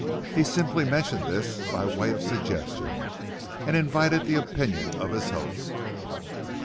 He simply mentioned this by way of suggestion, and invited the opinion of his host.